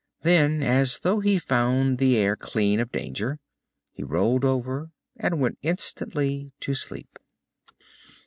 Then, as though he found the air clean of danger, he rolled over and went instantly to sleep.